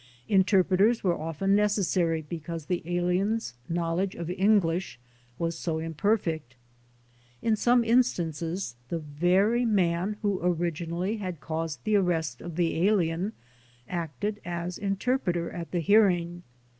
Interpreters were often necessary because the aliens' knowledge of English was so imper fect. In some instances the very man who originally had caused the arrest of the alien acted as interpreter at the hearing.